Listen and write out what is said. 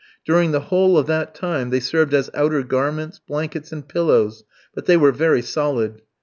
During the whole of that time they served as outer garments, blankets, and pillows, but they were very solid.